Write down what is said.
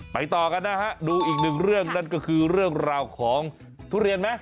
ต่อกันนะฮะดูอีกหนึ่งเรื่องนั่นก็คือเรื่องราวของทุเรียนไหม